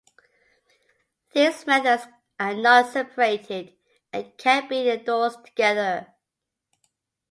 These methods are not separated and can be endorsed together.